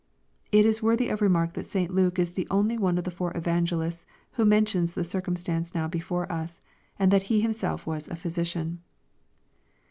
It is worthy of remark that St Luke is the only one of the four evangelists who mentions the circumstance now before us, and that he was himself a physician.